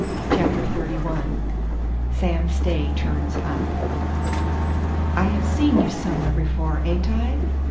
CHAPTER XXXI SAM STAY TURNS UP "I have seen you somewhere before, ain't I?"